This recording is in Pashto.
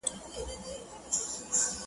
کرۍ ورځ ګرځي د کلیو پر مردارو؛